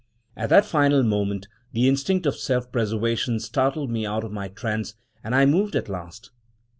At that final moment the instinct of self preservation startled me out of my trance, and I moved at last.